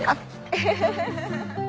ウフフフ！